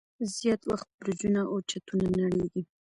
زیات وخت برجونه او چتونه نړیږي.